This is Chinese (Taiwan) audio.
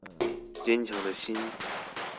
堅強的心